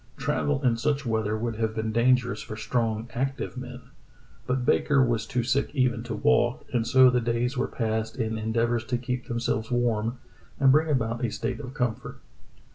Travel in such weather would have been dangerous for strong, active men, but Baker was too sick even to walk, and so the days were passed in endeavors to keep them selves warm and bring about a state of comfort.